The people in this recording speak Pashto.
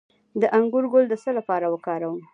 د انګور ګل د څه لپاره وکاروم؟